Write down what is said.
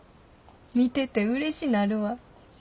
見ててうれしなるわ。